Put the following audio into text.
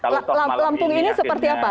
lampung ini seperti apa